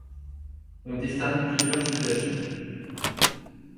On distingue plusieurs situations.